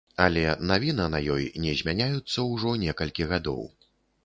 Але навіна на ёй не змяняюцца ўжо некалькі гадоў.